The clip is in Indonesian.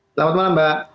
selamat malam mbak